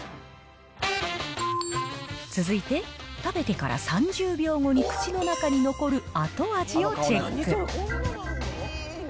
続いて、食べてから３０秒後に口の中に残る後味をチェック。